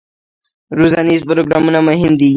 روزنیز پروګرامونه مهم دي